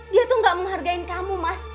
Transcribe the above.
dia tuh gak menghargain kamu mas